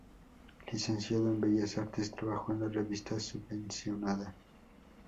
Licenciado en Bellas Artes, trabajó en la revista subvencionada "I.m.a.j.e.n.